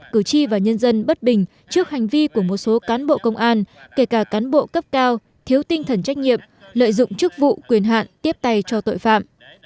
cử tri và nhân dân bất bình trước hành vi của một số cán bộ công an kể cả cán bộ cấp cao thiếu tinh thần trách nhiệm lợi dụng chức vụ quyền hạn tiếp tay cho tội phạm